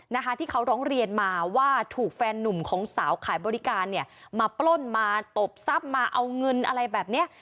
นะคะที่เขาร้องเรียนมาว่าถูกแฟนนุ่มของสาวขายบริการเนี่ยมาปล้นมาตบทรัพย์มาเอาเงินอะไรแบบเนี้ย